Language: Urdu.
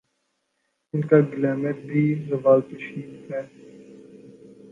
ان کا گلیمر بھی زوال پذیر ہے۔